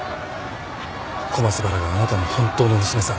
小松原があなたの本当の娘さん